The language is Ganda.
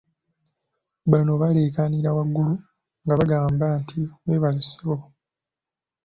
Bonna baleekaanira waggulu nga bagamba nti "weebale ssebo"